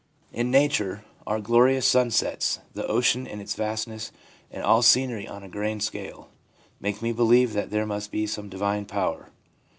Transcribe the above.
In nature, our glorious sunsets, the ocean in its vastness, and all scenery on a grand scale, make me believe there must be some divine power/ M.